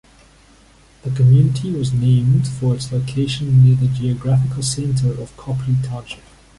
The community was named for its location near the geographical center of Copley Township.